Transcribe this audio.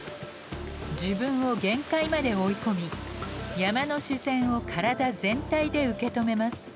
自分を限界まで追い込み山の自然を体全体で受け止めます。